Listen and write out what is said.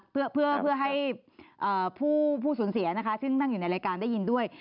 เพื่อให้ผู้สูญเสียนะคะซึ่งนั่งอยู่ในรายการได้ยินด้วย